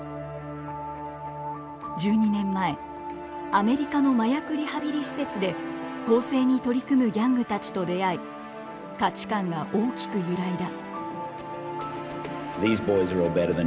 １２年前アメリカの麻薬リハビリ施設で更生に取り組むギャングたちと出会い価値観が大きく揺らいだ。